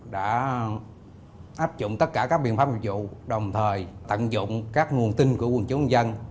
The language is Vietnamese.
đã áp dụng tất cả các biện pháp dụng đồng thời tận dụng các nguồn tin của quân chống dân